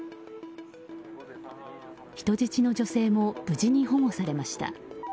人質の女性も無事に保護されました。